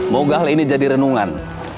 moga hal ini jadi renungan